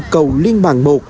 cầu liên bằng một